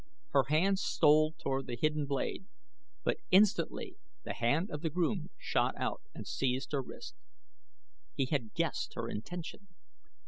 Her hand stole toward the hidden blade, but instantly the hand of the groom shot out and seized her wrist. He had guessed her intention.